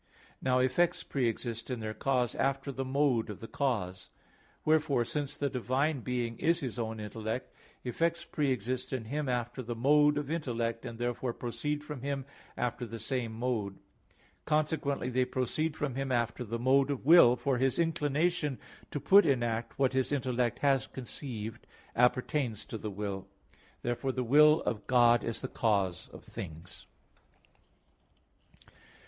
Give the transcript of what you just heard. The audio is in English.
Now effects pre exist in their cause after the mode of the cause. Wherefore since the Divine Being is His own intellect, effects pre exist in Him after the mode of intellect, and therefore proceed from Him after the same mode. Consequently, they proceed from Him after the mode of will, for His inclination to put in act what His intellect has conceived appertains to the will. Therefore the will of God is the cause of things.